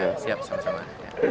ya siap sama sama